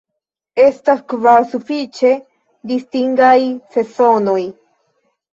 Estas kvar sufiĉe distingaj sezonoj.